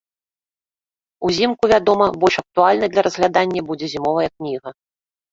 Узімку, вядома, больш актуальнай для разглядання будзе зімовая кніга.